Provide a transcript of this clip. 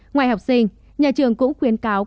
ngoài học sinh nhà trường cũng khuyến cáo